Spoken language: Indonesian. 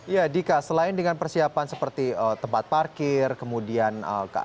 ya dika selain dengan persiapan seperti tempat parkir kemudian